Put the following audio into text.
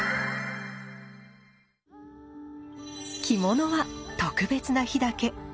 着物は特別な日だけ。